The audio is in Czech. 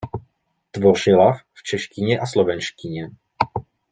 Tvořila v češtině a slovenštině.